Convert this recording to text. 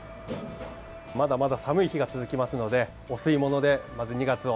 まだまだ寒い日が続きますのでお吸い物で、まず２月を。